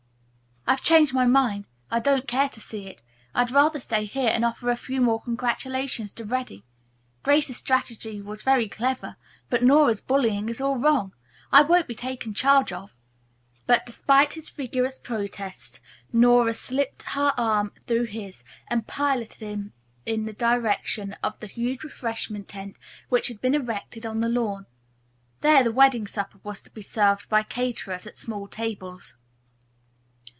"I've changed my mind. I don't care to see it. I'd rather stay here and offer a few more congratulations to Reddy. Grace's strategy was very clever, but Nora's bullying is all wrong. I won't be taken charge of." But in spite of his vigorous protests Nora slipped her arm through his and piloted him in the direction of the huge refreshment tent which had been erected on the lawn. There the wedding supper was to be served by caterers at small tables.